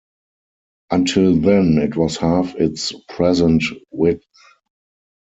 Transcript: Until then it was half its present width.